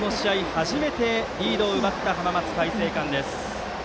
初めてリードを奪った浜松開誠館です。